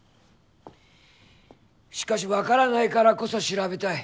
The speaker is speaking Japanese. しかし分からないからこそ調べたい